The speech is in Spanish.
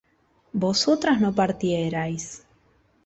vosotras no partierais